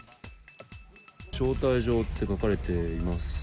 招待状って書かれています。